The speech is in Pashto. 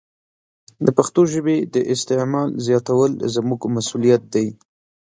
د پښتو ژبې د استعمال زیاتول زموږ مسوولیت دی.